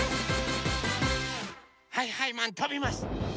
はいはいマンとびます！